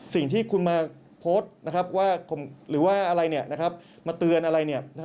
สิ่งที่คุณมาโพสต์ว่าหรือว่าอะไรมาเตือนอะไร